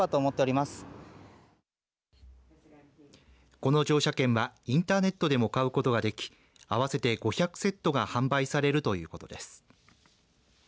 この乗車券はインターネットでも買うことができ合わせて５００セットが販売されるということです。